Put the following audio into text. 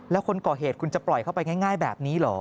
แล้วคนก่อเหตุคุณจะปล่อยเข้าไปง่ายแบบนี้เหรอ